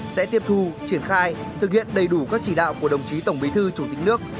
sẽ tiếp thu triển khai thực hiện đầy đủ các chỉ đạo của đồng chí tổng bí thư chủ tịch nước